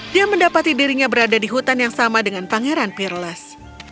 dia mendapati dirinya berada di hutan yang sama dengan pangeran pirles